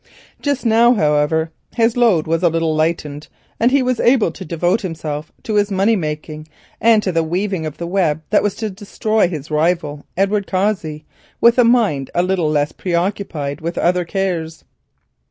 Just now, however, his load was a little lightened, and he was able to devote himself to his money making and to the weaving of the web that was to destroy his rival, Edward Cossey, with a mind a little less preoccupied with other cares.